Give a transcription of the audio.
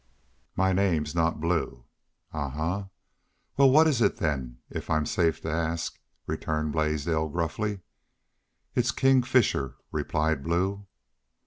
"My name's not Blue." "Ahuh! Wal, what is it, then if I'm safe to ask?" returned Blaisdell, gruffly. "It's King Fisher," replied Blue.